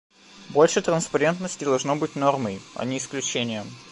Больше транспарентности должно быть нормой, а не исключением.